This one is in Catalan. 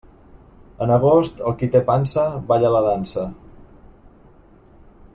En agost, el qui té pansa, balla la dansa.